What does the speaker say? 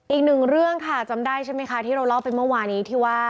อีกหนึ่งเรื่องค่ะจำได้ใช่ไหมคะที่เราเล่าไปเมื่อวานี้ที่ว่า